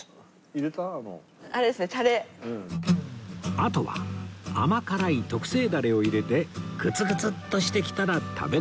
あとは甘辛い特製ダレを入れてグツグツッとしてきたら食べ時